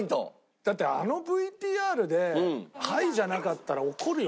だってあのＶＴＲでハイじゃなかったら怒るよ